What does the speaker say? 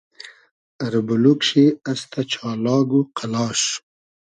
اربولوگ شی استۂ چالاگ و قئلاش